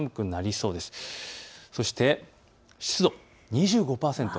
そして湿度、２５％。